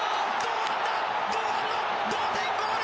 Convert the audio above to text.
同点ゴール！